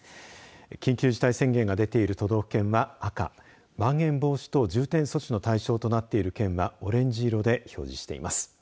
緊急事態宣言が出ている都道府県は赤まん延防止等重点措置の対象となっている県はオレンジ色で表示しています。